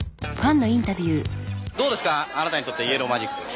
どうですかあなたにとってイエロー・マジック？